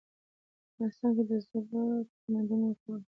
افغانستان د زړو تمدنونو کور دی.